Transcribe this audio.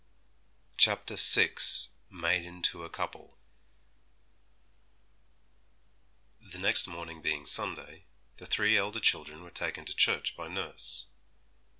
CHAPTER VI Made into a Couple The next morning being Sunday, the three elder children were taken to church by nurse.